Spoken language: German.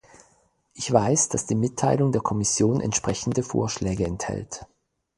Ich weiß, dass die Mitteilung der Kommission entsprechende Vorschläge enthält.